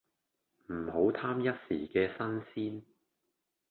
唔好貪一時既新鮮